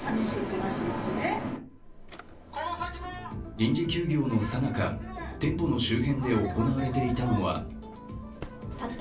臨時休業のさなか、店舗の周辺で行われていたのはたった